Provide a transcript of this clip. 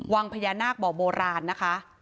วังพญานาคบ่อโบราณนะคะ